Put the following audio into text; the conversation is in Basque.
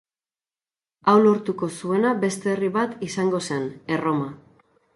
Hau lortuko zuena beste herri bat izango zen, Erroma.